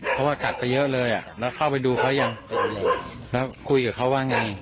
เพราะว่ากัดไปเยอะเลยอ่ะแล้วเข้าไปดูเขายังแล้วคุยกับเขาว่าไง